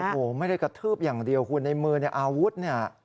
โอ้โหไม่ได้กระทืบอย่างเดียวคุณในมือเนี่ยอาวุธเนี่ย